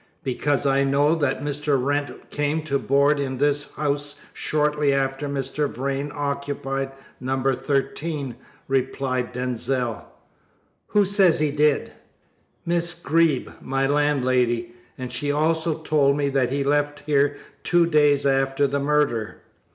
"Because I know that Mr. Wrent came to board in this house shortly after Mr. Vrain occupied No. 13," replied Denzil. "Who says he did?" "Miss Greeb, my landlady, and she also told me that he left here two days after the murder."